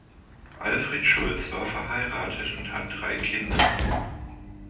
Alfred Schulz war verheiratet und hat drei Kinder.